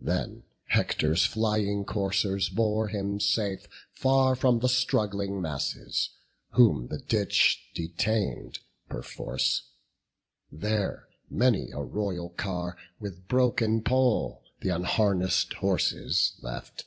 Then Hector's flying coursers bore him safe Far from the struggling masses, whom the ditch Detain'd perforce; there many a royal car With broken pole th' unharness'd horses left.